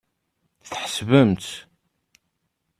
Tḥesbemt.